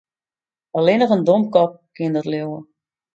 Allinnich in domkop kin dat leauwe.